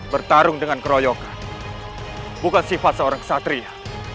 bertarung dengan keroyokan bukan sifat seorang kesatria